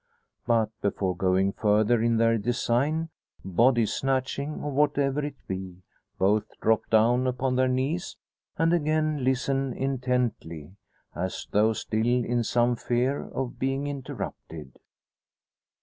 But, before going further in their design body snatching, or whatever it be both drop down upon their knees, and again listen intently, as though still in some fear of being interrupted.